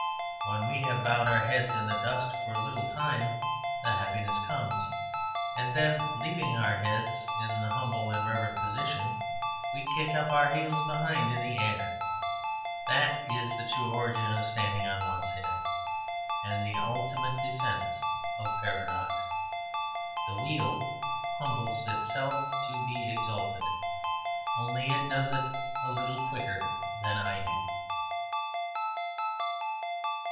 When we have bowed our heads in the dust for a little time the happiness comes; and then (leaving our heads' in the humble and reverent position) we kick up our heels behind in the air. That is the true origin of standing on one's head; and the ultimate defence of paradox. The wheel humbles itself to be exalted; only it does it a little quicker than I do.